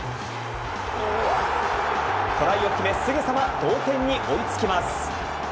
トライを決めすぐさま同点に追いつきます。